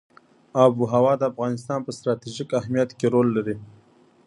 آب وهوا د افغانستان په ستراتیژیک اهمیت کې رول لري.